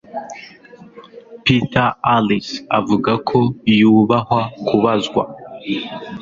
Peter Alliss avuga ko yubahwa kubazwa